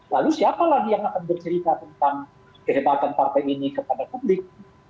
lalu siapa lagi yang akan bercerita tentang kehebatan partai ini kepada publik